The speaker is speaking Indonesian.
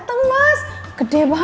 ini marahin terus